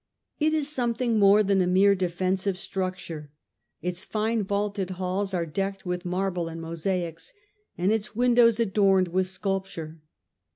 It is something more than a mere defensive structure : its fine vaulted halls are decked with marble and mosaics and its windows adorned with sculpture.